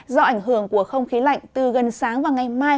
do ảnh hưởng của không khí lạnh từ gần sáng và ngày mai